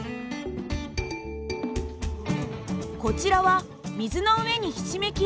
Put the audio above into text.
こちらは水の上にひしめき合う鳥たち。